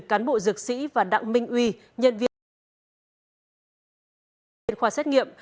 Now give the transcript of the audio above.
cán bộ dược sĩ và đặng minh uy nhân viên của công ty đại tế và công ty đại tế khoa xét nghiệm